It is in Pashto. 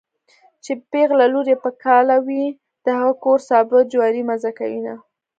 چې پېغله لور يې په کاله وي د هغه کور سابه جواری مزه کوينه